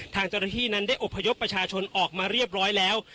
ทางเจ้าหน้าที่นั้นได้อบพยพประชาชนออกมาเรียบร้อยแล้ว